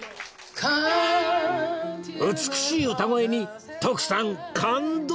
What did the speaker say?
美しい歌声に徳さん感動！